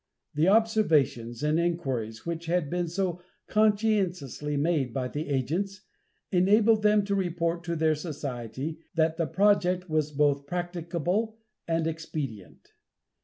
The observations and inquiries which had been so conscientiously made by the agents, enabled them to report to their society that the project was both practicable and expedient.